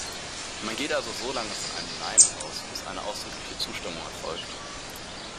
Man geht also so lange von einem "Nein" aus, bis eine ausdrückliche Zustimmung erfolgt.